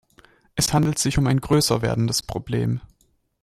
Es handelt sich um ein größer werdendes Problem.